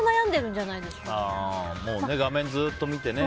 画面ずっと見てね。